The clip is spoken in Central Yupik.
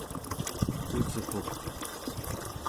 usruq